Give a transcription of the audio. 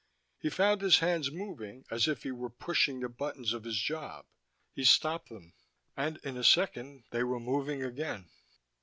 He found his hands moving as if he were pushing the buttons of his job. He stopped them and in a second they were moving again.